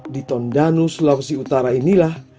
di tondanu sulawesi utara inilah